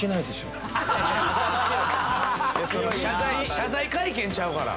謝罪会見ちゃうから。